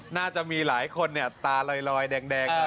น่าจะมีหลายคนตาลอยแดง